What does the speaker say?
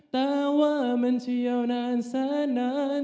แต่ว่ามันเฉยานานซ้านนาน